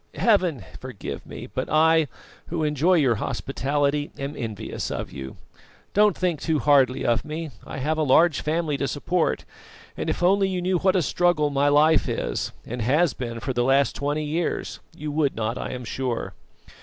Heaven forgive me; but I, who enjoy your hospitality, am envious of you. Don't think too hardly of me; I have a large family to support, and if only you knew what a struggle my life is, and has been for the last twenty years, you would not, I am sure.